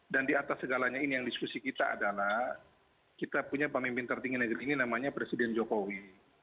dan di atas segalanya ini yang diskusi kita adalah kita punya pemimpin tertinggi negeri ini namanya presiden jokowi